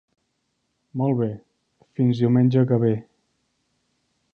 Molt bé; fins diumenge que ve.